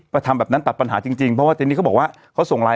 ทำแบบนั้นตัดปัญหาจริงจริงเพราะว่าทีนี้เขาบอกว่าเขาส่งไลน